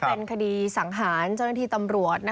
เป็นคดีสังหารเจ้าหน้าที่ตำรวจ